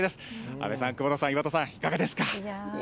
阿部さん、久保田さん、岩田さん、いかがですか。